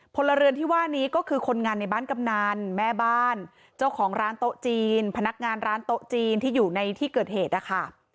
พลเรือนที่ว่านี้ก็คือคนงานในบ้านกำนันแม่บ้านเจ้าของร้านโต๊ะจีนพนักงานร้านโต๊ะจีนที่อยู่ในที่เกิดเหตุนะคะ